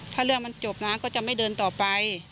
ถ้าเรื่องมันจบนะก็จะไม่เดินต่อไป